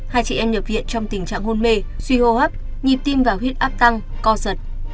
hai chị em nhập viện trong tình trạng hôn mê suy hô hấp nhịp tim và huyết áp tăng co giật